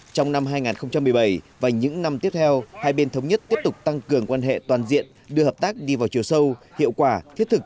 trong năm hai nghìn một mươi bảy và những năm tiếp theo hai bên thống nhất tiếp tục tăng cường quan hệ toàn diện đưa hợp tác đi vào chiều sâu hiệu quả thiết thực